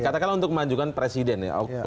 katakanlah untuk kemajukan presiden